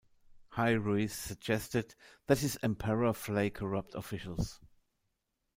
Hai Rui suggested that his emperor flay corrupt officials.